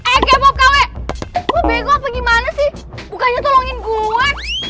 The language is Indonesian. eh kepo kw lo bego apa gimana sih bukannya tolongin gue